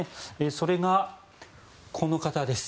それが、この方です。